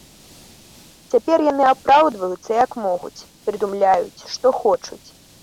Цяпер яны апраўдваюцца, як могуць, прыдумляюць, што хочуць.